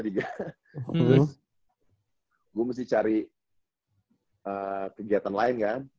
terus gue mesti cari kegiatan lain kan